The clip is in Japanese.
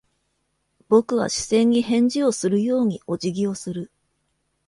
僕は視線に返事をするようにお辞儀をする。